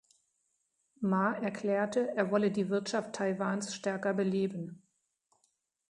Ma erklärte, er wolle die Wirtschaft Taiwans stärker beleben.